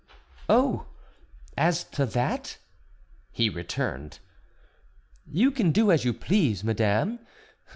"Oh, as to that," he returned, "you can do as you please, madame.